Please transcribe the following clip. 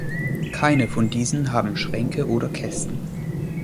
Keine von diesen haben Schränke oder Kästen.